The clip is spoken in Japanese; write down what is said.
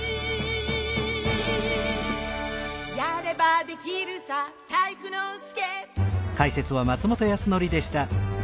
「やればできるさ体育ノ介」